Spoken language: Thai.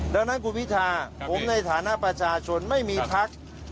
ดังนั้นคุณพิธาผมในฐานะประชาชนไม่มีพัก